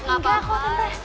enggak kok tante